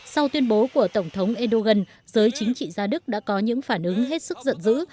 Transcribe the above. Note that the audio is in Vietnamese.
sau tuyên bố của tổng thống erdogan giới chính trị gia đức đã có những phản ứng hết sức giận dữ